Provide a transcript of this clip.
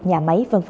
nhà máy v v